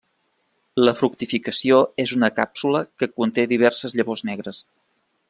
La fructificació és en una càpsula que conté diverses llavors negres.